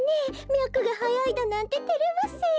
みゃくがはやいだなんててれますよ。